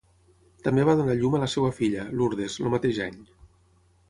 També va donar llum a la seva filla, Lourdes, el mateix any.